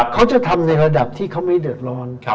เขาจะทำในระดับที่เขาไม่เดือดร้อน